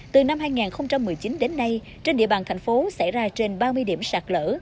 từ năm hai nghìn một mươi chín đến nay trên địa bàn thành phố xảy ra trên ba mươi điểm sạt lỡ